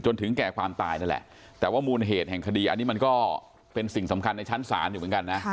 ถึงแก่ความตายนั่นแหละแต่ว่ามูลเหตุแห่งคดีอันนี้มันก็เป็นสิ่งสำคัญในชั้นศาลอยู่เหมือนกันนะ